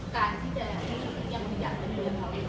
การที่จะอย่างนี้ยังไม่อยากเป็นเพื่อนเขาอีก